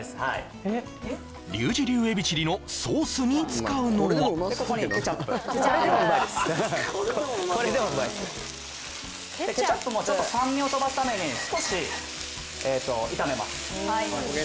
リュウジ流エビチリのソースに使うのはここにケチャップケチャップケチャップもちょっと酸味をとばすために少し炒めます